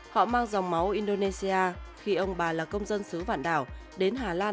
họ mang dòng máu indonesia khi ông bà là công dân xứ vạn đảo đến hà lan